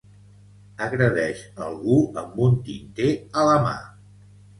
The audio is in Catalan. Agredeix algú amb un tinter a la mà.